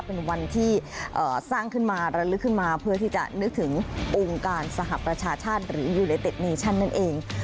เป็นวันที่สร้างขึ้นมาระลึกขึ้นมาเพื่อที่จะนึกถึงองค์การสหประชาชาติหรือยูไนเต็ดเนชั่นนั่นเอง